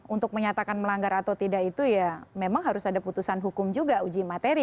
untuk menyatakan melanggar atau tidak itu ya memang harus ada putusan hukum juga uji materi